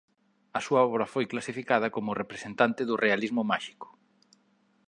A súa obra foi clasificada como representante do realismo máxico.